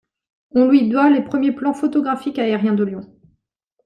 On lui doit les premiers plans photographiques aériens de Lyon.